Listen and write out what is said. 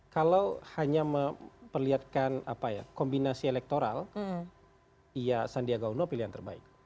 kalau hanya memperlihatkan kombinasi elektoral ya sandiaga uno pilihan terbaik